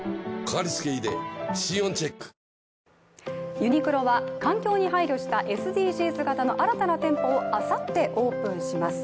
ユニクロは環境に配慮したＳＤＧｓ型の新たな店舗をあさってオープンします。